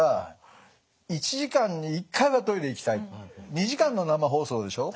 ２時間の生放送でしょ。